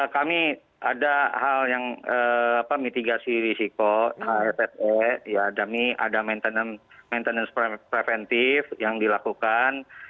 kami ada hal yang mitigasi risiko fse kami ada maintenance preventif yang dilakukan